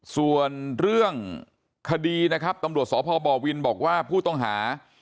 ส่วนเรื่องคดีนะครับตำรวจสพบวินบอกว่าผู้ต้องหา